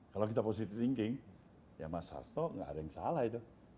kalau kita positif thinking ya mas harto gak ada yang salah itu